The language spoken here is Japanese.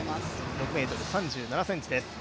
６ｍ３７ｃｍです。